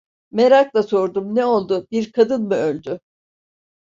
Merakla sordum: "Ne oldu? Bir kadın mı öldü?"